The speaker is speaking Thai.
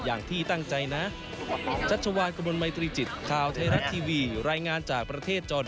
อย่างที่ตั้งใจนะ